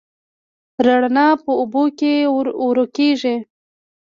رڼا په اوبو کې ورو کېږي.